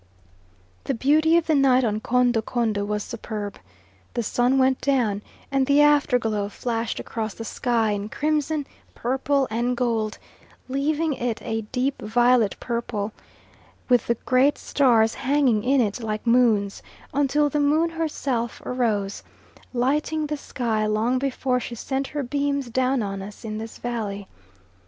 The beauty of the night on Kondo Kondo was superb; the sun went down and the afterglow flashed across the sky in crimson, purple, and gold, leaving it a deep violet purple, with the great stars hanging in it like moons, until the moon herself arose, lighting the sky long before she sent her beams down on us in this valley.